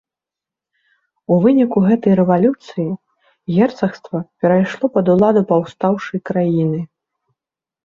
У выніку гэтай рэвалюцыі герцагства перайшло пад уладу паўстаўшай краіны.